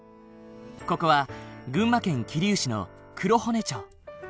ここは群馬県桐生市の黒保根町。